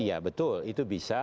iya betul itu bisa